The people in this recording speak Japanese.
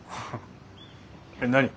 えっ何？